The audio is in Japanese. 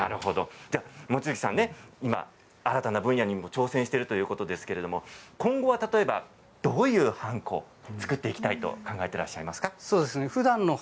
望月さん、新たな分野にも挑戦しているということですが今後はどういうはんこを作っていきたいと考えていますか。